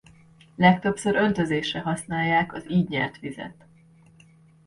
Legtöbbször öntözésre használják az így nyert vizet.